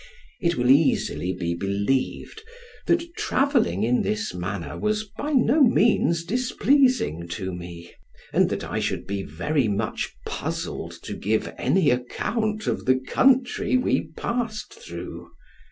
It will easily be believed, that travelling in this manner was by no means displeasing to me, and that I should be very much puzzled to give any account of the country we passed through.